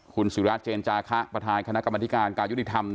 คุณศิราเจนจาคะประธานคณะกรรมธิการการยุติธรรม